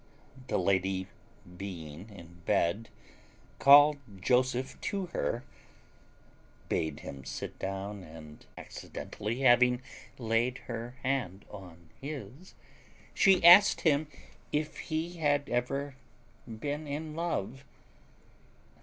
The lady being in bed, called Joseph to her, bade him sit down, and, having accidentally laid her hand on his, she asked him if he had ever been in love.